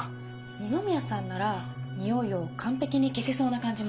二宮さんならニオイを完璧に消せそうな感じも。